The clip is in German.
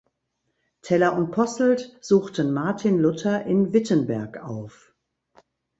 Teller und Posselt suchten Martin Luther in Wittenberg auf.